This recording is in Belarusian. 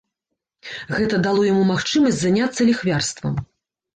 Гэта дало яму магчымасць заняцца ліхвярствам.